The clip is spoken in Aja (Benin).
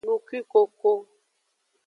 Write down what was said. Nukwikoko.